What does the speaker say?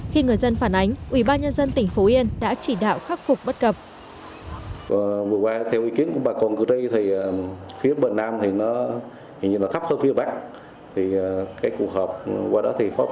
khi người dân phản ánh ủy ban nhân dân tỉnh phú yên đã chỉ đạo khắc phục bất cập